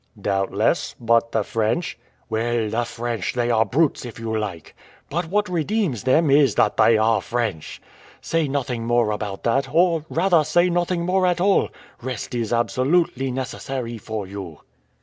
"Doubtless; but the French?" "Well, the French they are brutes, if you like! But what redeems them is that they are French. Say nothing more about that, or rather, say nothing more at all. Rest is absolutely necessary for you."